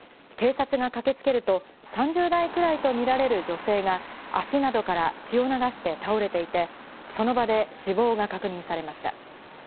警察が駆けつけると、３０代くらいとみられる女性が足などから血を流して倒れていて、その場で死亡が確認されました。